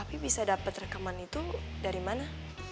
tapi pi papi bisa dapet rekaman itu dari mana